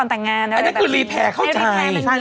อันนี้ก็รีแพร์เข้าใจ